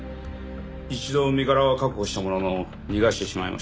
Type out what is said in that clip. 一度身柄は確保したものの逃がしてしまいました。